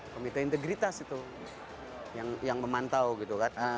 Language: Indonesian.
komite integritas itu yang memantau gitu kan